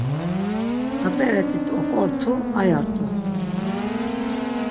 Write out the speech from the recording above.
Na p̌eret̆it oǩotku aya rt̆u.